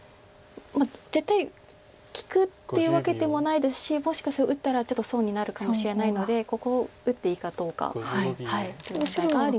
絶対利くっていうわけでもないですしもしかすると打ったらちょっと損になるかもしれないのでここを打っていいかどうかという問題があります。